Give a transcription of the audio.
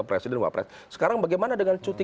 presiden wapres sekarang bagaimana dengan cuti